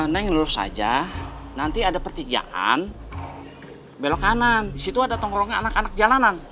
neng lurus aja nanti ada pertigaan belok kanan situ ada tongkrong anak anak jalanan